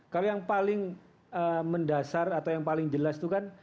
kalau yang paling mendasar atau yang paling jelas itu kan